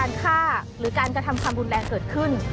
ฆ่าหรือการกระทำความรุนแรงเกิดขึ้น